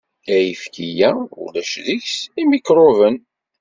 Ayefki-a ulac deg-s imikṛuben.